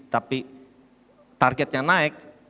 tapi targetnya naik